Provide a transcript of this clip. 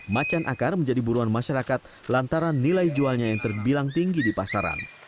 macan akar menjadi buruan masyarakat lantaran nilai jualnya yang terbilang tinggi di pasaran